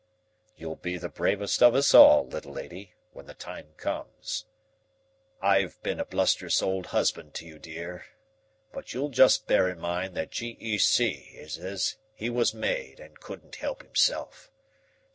"You'll be the bravest of us all, little lady, when the time comes. I've been a blusterous old husband to you, dear, but you'll just bear in mind that G. E. C. is as he was made and couldn't help himself.